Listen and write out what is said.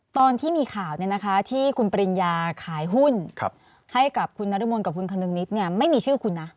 ตอนที่มีข่าวเนี่ยนะคะที่คุณปริญญาขายหุ้นให้กับคุณอาดุมนต์กับคุณคนึงนิดเนี่ยไม่มีชื่อคุณนะ